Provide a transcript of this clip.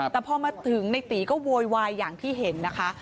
แต่พอมาถึงในตีก็โวยวายอย่างที่เห็นนะคะ